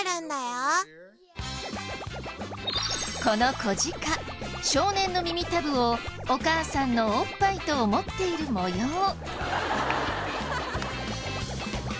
この子鹿少年の耳たぶをお母さんのおっぱいと思っている模様。